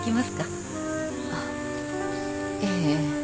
あっええ。